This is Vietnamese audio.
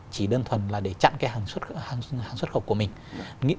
chỉ đơn thuần là để chặn cái hàng xuất khẩu của mình